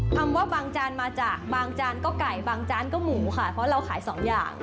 คำว่าบางจานมาจากบางจานก็ไก่บางจานก็หมูค่ะเพราะเราขายสองอย่าง